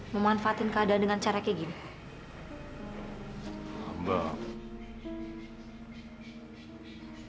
memanfaatkan keadaan dengan cara kayak gini